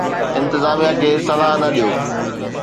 انتظاميا کي صلاح نه ڏيو.